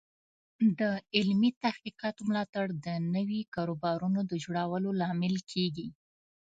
د علمي تحقیقاتو ملاتړ د نوي کاروبارونو د جوړولو لامل کیږي.